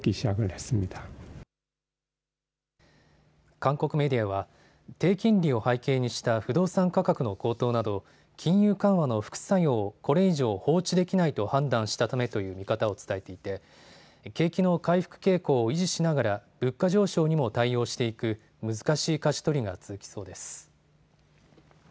韓国メディアは、低金利を背景にした不動産価格の高騰など、金融緩和の副作用をこれ以上放置できないと判断したためという見方を伝えていて、景気の回復傾向を維持しながら、物価上昇にも対応していく難しいかじ取りが続きそうです。